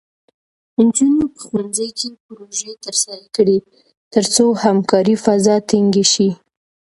نجونې په ښوونځي کې پروژې ترسره کړي، ترڅو همکارۍ فضا ټینګې شي.